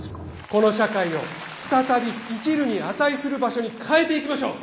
この社会を再び生きるに値する場所に変えていきましょう！